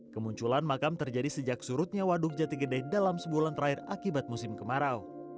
kemunculan makam terjadi sejak surutnya waduk jati gede dalam sebulan terakhir akibat musim kemarau